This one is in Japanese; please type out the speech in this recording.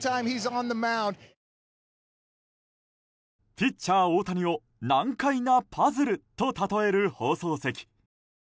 ピッチャー大谷を難解なパズルと例える放送席。